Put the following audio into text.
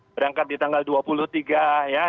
berangkat di tanggal dua puluh tiga ya